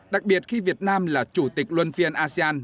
đặc biệt khi việt nam là chủ tịch luân phiên asean